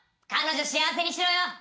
彼女幸せにしろよ。